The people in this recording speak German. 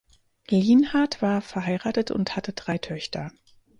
Lienhard war verheiratet und hatte drei Töchter.